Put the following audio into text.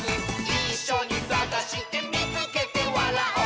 「いっしょにさがしてみつけてわらおう！」